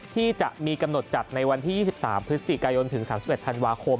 ที่จะมีกำหนดจัดในวันที่๒๓พฤศจิกายนถึง๓๑ธันวาคม